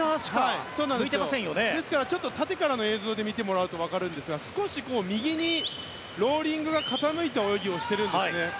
ですから縦からの映像で見てもらうと分かるんですが少し右にローリングが傾いた泳ぎをしているんですね。